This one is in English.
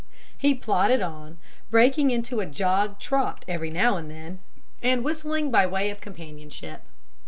He plodded on, breaking into a jog trot every now and then, and whistling by way of companionship.